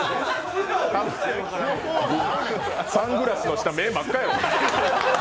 サングラスの下目、真っ赤よ。